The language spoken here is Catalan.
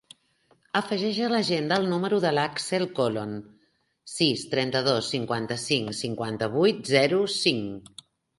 Afegeix a l'agenda el número de l'Àxel Colon: sis, trenta-dos, cinquanta-cinc, cinquanta-vuit, zero, cinc.